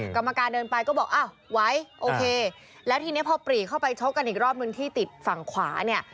กรรมการเดินไปก็บอกอ้าวไหวโอเคแล้วทีนี้พอปรีเข้าไปชกกันอีกรอบนึงที่ติดฝั่งขวาเนี่ย